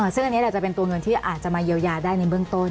ซึ่งอันนี้แหละจะเป็นตัวเงินที่อาจจะมาเยียวยาได้ในเบื้องต้น